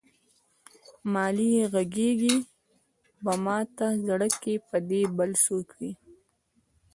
مالې غږېږې به ماته زړه کې به دې بل څوک وي.